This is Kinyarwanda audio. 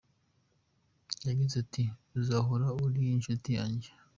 Yagize ati :”uzahora uri inshuti yanjye.